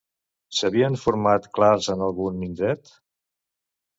S'havien format clars en algun indret?